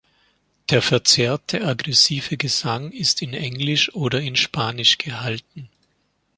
Der verzerrte, aggressive Gesang ist in Englisch oder in Spanisch gehalten.